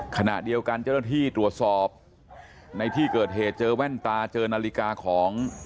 ขณะเดียวกันเจ้าหน้าที่ตรวจสอบในที่เกิดเหตุเจอแว่นตาเจอนาฬิกาของ